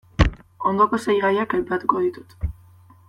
Ondoko sei gaiak aipatuko ditut.